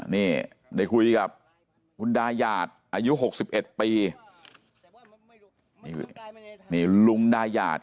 นี่ได้คุยกับคุณดาหยาดอายุหกสิบเอ็ดปีนี่ลุงดาหยาด